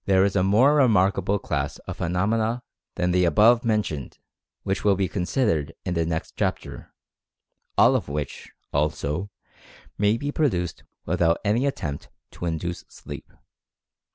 There is a more remarkable class of phenomena than the above mentioned which will be considered in the next chapter, all of which, also, may be produced without any attempt to induce sleep.